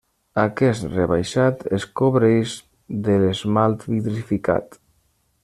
Aquest rebaixat es cobreix de l'esmalt vitrificat.